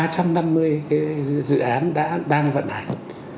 cái dự án đang vận hành